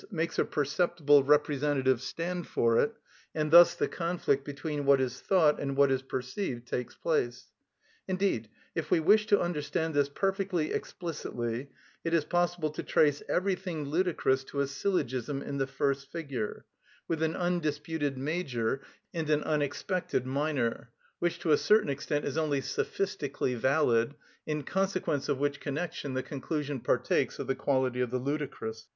_, makes a perceptible representative stand for it, and thus the conflict between what is thought and what is perceived takes place. Indeed if we wish to understand this perfectly explicitly, it is possible to trace everything ludicrous to a syllogism in the first figure, with an undisputed major and an unexpected minor, which to a certain extent is only sophistically valid, in consequence of which connection the conclusion partakes of the quality of the ludicrous.